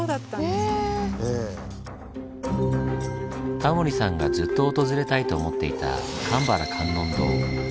タモリさんがずっと訪れたいと思っていた鎌原観音堂。